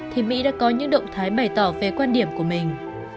thì mỹ đã có những động thái bày tỏ về quan điểm của mình